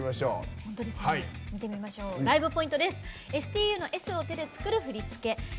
ライブポイントです。